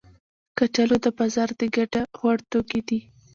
کچالو د بازار د ګټه ور توکي دي